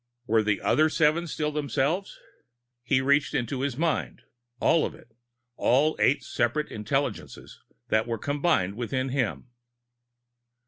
Were the other seven still themselves? He reached into his mind all of it, all eight separate intelligences that were combined within him.